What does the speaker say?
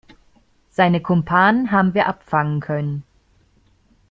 Seine Kumpanen haben wir abfangen können.